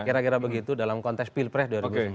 kira kira begitu dalam konteks pilpres dua ribu sembilan belas